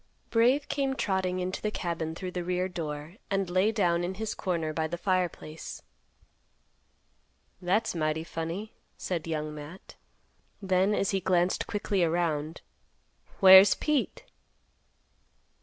Brave came trotting into the cabin through the rear door, and lay down in his corner by the fireplace. "That's mighty funny," said Young Matt. Then, as he glanced quickly around, "Where's Pete?"